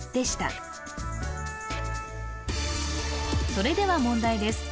それでは問題です